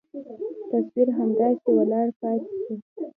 تصوير همداسې ولاړ پاته سو.